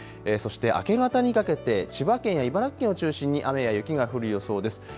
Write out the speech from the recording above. そして明け方にかけて千葉県や茨城県を中心に雨や雪が降る予想です。